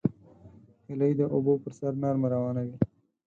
هیلۍ د اوبو پر سر نرمه روانه وي